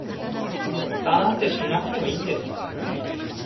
フタなんてしなくてもいいんです